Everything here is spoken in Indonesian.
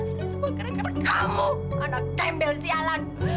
ini semua gara gara kamu anak kembel sialan